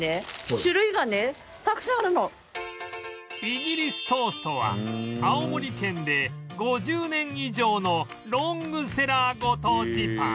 イギリストーストは青森県で５０年以上のロングセラーご当地パン